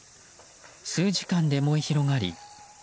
数時間で燃え広がり。